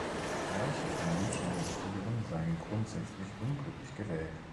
Vergleiche von Menschen mit Tieren seien "„grundsätzlich unglücklich“" gewählt.